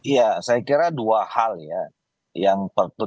ya saya kira dua hal ya yang perlu